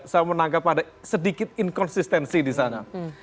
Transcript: saya menangkap ada sedikit inkonsistensi disana